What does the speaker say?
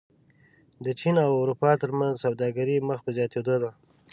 د چین او اروپا ترمنځ سوداګري مخ په زیاتېدو ده.